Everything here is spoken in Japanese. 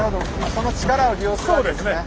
その力を利用するわけですね。